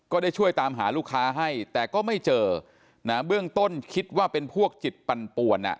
ก็ได้ช่วยตามหาลูกค้าให้แต่ก็ไม่เจอนะเบื้องต้นคิดว่าเป็นพวกจิตปั่นป่วนอ่ะ